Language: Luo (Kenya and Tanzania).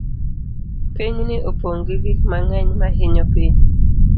Pinyni opong' gi gik mang'eny ma hinyo piny.